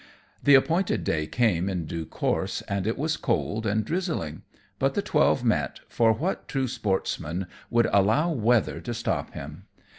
The appointed day came in due time, and it was cold and drizzling; but the twelve met, for what true sportsman would allow weather to stop him?